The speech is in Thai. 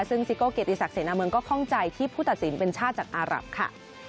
ซึ่งซิโก้เกียรติศักดิเสนาเมืองก็ข้องใจที่ผู้ตัดสินเป็นชาติจากอารับค่ะ